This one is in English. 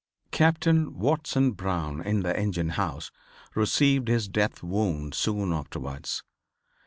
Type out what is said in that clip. Captain Watson Brown in the engine house received his death wound soon afterwards.